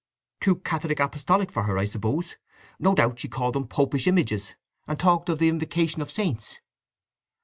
"Too Catholic Apostolic for her, I suppose? No doubt she called them popish images and talked of the invocation of saints."